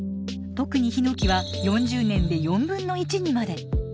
特にヒノキは４０年で４分の１にまで。